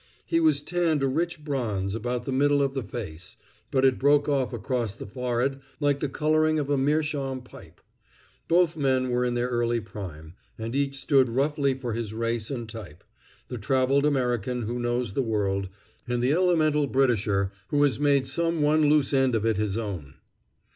He was tanned a rich bronze about the middle of the face, but it broke off across his forehead like the coloring of a meerschaum pipe. Both men were in their early prime, and each stood roughly for his race and type: the traveled American who knows the world, and the elemental Britisher who has made some one loose end of it his own.